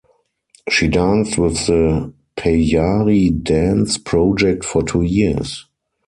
She danced with the Peyari Dance Project for two years.